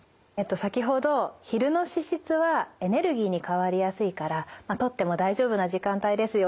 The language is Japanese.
先ほど昼の脂質はエネルギーに変わりやすいからとっても大丈夫な時間帯ですよ